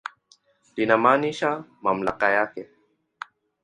Linamaanisha mamlaka yake.